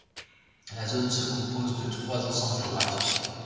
La zone se compose de trois ensembles géographiques.